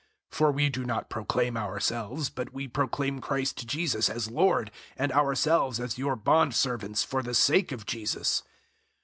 004:005 (For we do not proclaim ourselves, but we proclaim Christ Jesus as Lord, and ourselves as your bondservants for the sake of Jesus.)